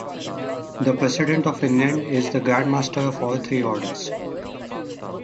The President of Finland is the Grand Master of all three orders.